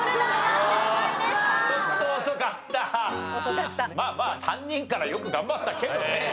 まあまあ３人からよく頑張ったけどね。